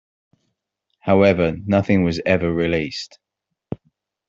However, nothing was ever released.